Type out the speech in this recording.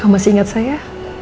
kamu masih ingat saya